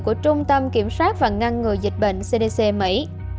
của trung tâm kiểm soát và ngăn ngừa dịch bệnh cdc mỹ